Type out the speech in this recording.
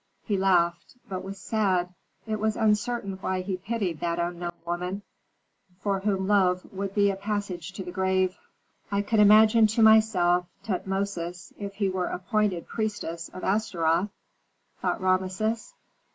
He laughed, but was sad. It was uncertain why he pitied that unknown woman for whom love would be a passage to the grave. "I can imagine to myself Tutmosis if he were appointed priestess of Astaroth," thought Rameses.